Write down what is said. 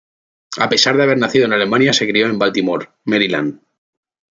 A pesar de haber nacido en Alemania, se crió en Baltimore, Maryland.